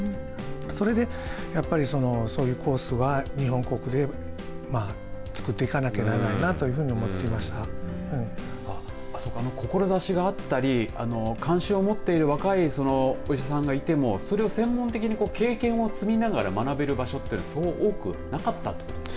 それでやっぱりそういうコースは日本国で作っていかなきゃならないなというふうにそうか、志があったり関心を持っている若いお医者さんがいてもそれを専門的に経験を積みながら学べる場所というのはそう多くなかったということなんですね。